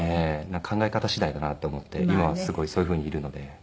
考え方次第だなと思って今はすごいそういうふうにいるので。